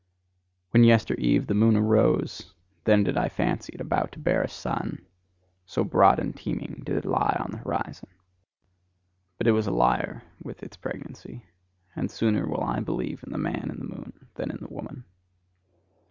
When yester eve the moon arose, then did I fancy it about to bear a sun: so broad and teeming did it lie on the horizon. But it was a liar with its pregnancy; and sooner will I believe in the man in the moon than in the woman.